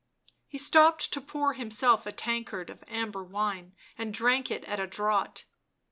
He stopped to pour himself a tankard of amber wine and drank it at a draught.